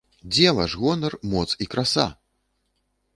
Дзе ваш гонар, моц і краса?